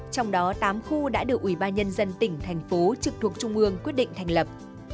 các khu đã được ủy ba nhân dân tỉnh thành phố trực thuộc trung ương quyết định thành lập